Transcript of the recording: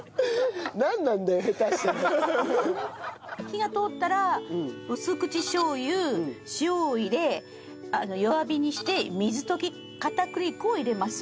火が通ったら薄口しょう油塩を入れ弱火にして水溶き片栗粉を入れます。